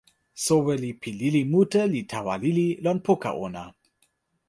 soweli pi lili mute li tawa lili lon poka ona.